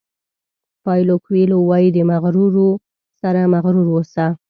پایلو کویلو وایي د مغرورو سره مغرور اوسه.